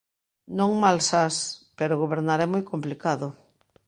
Non malsás, pero gobernar é moi complicado.